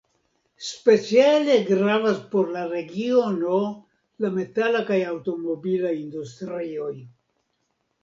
Speciale gravas por la regiono la metala kaj aŭtomobila industrioj.